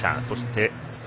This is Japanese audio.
そして